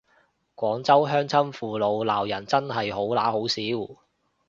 廣州鄉親父老鬧人真係好嗱好笑